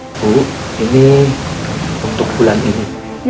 ibu ini untuk bulan ini